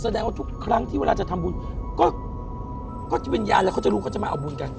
แสดงว่าทุกครั้งที่เวลาจะทำบุญก็วิญญาณแล้วเขาจะรู้เขาจะมาเอาบุญกัน